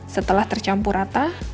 setelah tercampur rata